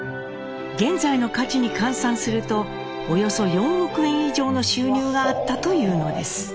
現在の価値に換算するとおよそ４億円以上の収入があったというのです。